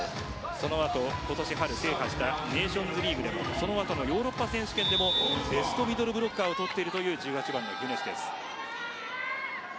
そのあと今年制覇したネーションズリーグでもその後のヨーロッパ選手権でもベストミドルブロッカーをとっています。